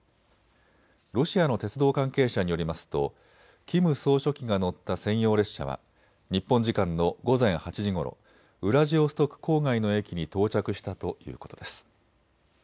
ロシアの鉄道関係者によりますとキム総書記が乗った専用列車は日本時間の午前８時ごろ、ウラジオストク郊外の駅に到着したということです。